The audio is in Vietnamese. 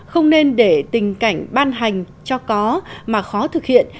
không nên để tình cảnh ban hành cho có mà khó thực hiện